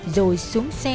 rồi xuống xe